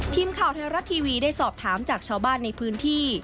ทีมข่าวไทยรัฐทีวีได้สอบถามจากชาวบ้านในพื้นที่